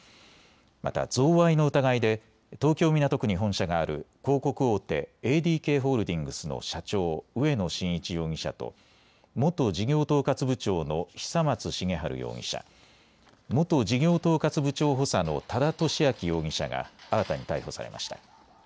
また贈賄の疑いで東京港区に本社がある広告大手、ＡＤＫホールディングスの社長、植野伸一容疑者と元事業統括部長の久松茂治容疑者、元事業統括部長補佐の多田俊明容疑者が新たに逮捕されました。